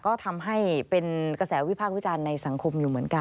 ก็ทำให้เป็นกระแสวิพากษ์วิจารณ์ในสังคมอยู่เหมือนกัน